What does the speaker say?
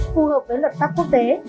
phù hợp với luật pháp quốc tế